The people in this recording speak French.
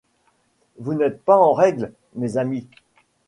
Vous n’êtes pas en règle, mes amis.